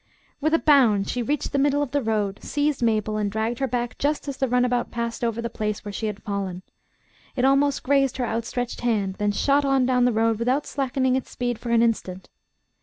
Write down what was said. With a bound she reached the middle of the road, seized Mabel and dragged her back just as the runabout passed over the place where she had fallen. It almost grazed her outstretched hand, then shot on down the road without slackening its speed for an instant.